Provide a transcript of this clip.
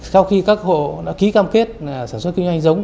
sau khi các hộ đã ký cam kết sản xuất kinh doanh giống